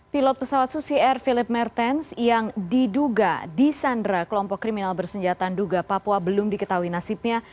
pilot pesawat susi air philip mertens yang diduga disandra kelompok kriminal bersenjataan duga papua belum diketahui nasibnya